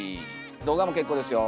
動画も結構ですよ。